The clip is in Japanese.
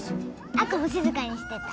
亜子も静かにしてた。